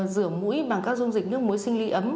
rửa mũi bằng các dung dịch nước muối sinh lý ấm